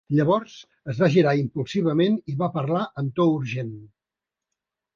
Llavors es va girar impulsivament i va parlar amb to urgent.